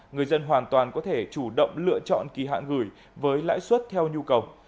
người dân hoàn toàn có thể chủ động lựa chọn kỳ hạn gửi với lãi suất theo nhu cầu